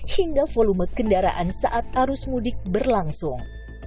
hingga volume kendaraan saat arus mudik berlangsung